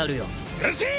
うるせえ！